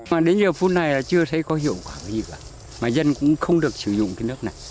mà đến giờ phút này là chưa thấy có hiệu quả gì cả mà dân cũng không được sử dụng cái nước này